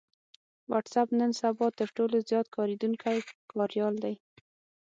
وټس اېپ نن سبا تر ټولو زيات کارېدونکی کاريال دی